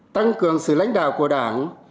tăng cường sự lãnh đạo của đảng